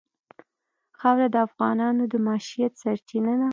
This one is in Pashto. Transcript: خاوره د افغانانو د معیشت سرچینه ده.